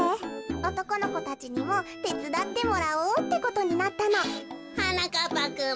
おとこのこたちにもてつだってもらおうってことになったの。はなかっぱくん